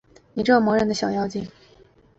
你这磨人的小妖精